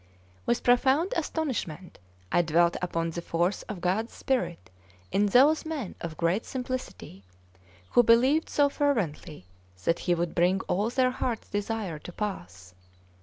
With profound astonishment I dwelt upon the force of God's Spirit in those men of great simplicity, who believed so fervently that He would bring all their heart's desire to pass.